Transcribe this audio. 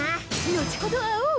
後ほど会おう。